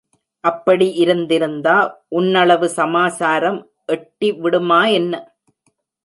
அப்படி இருந்திருந்தா உன்னளவு சமாசாரம் எட்டி விடுமா என்ன?